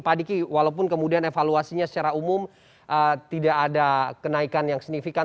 pak diki walaupun kemudian evaluasinya secara umum tidak ada kenaikan yang signifikan